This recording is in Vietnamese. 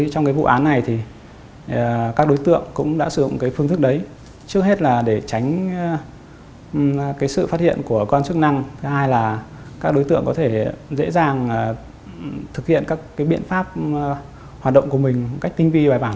thứ hai là các đối tượng có thể dễ dàng thực hiện các biện pháp hoạt động của mình cách tinh vi và bài bản hơn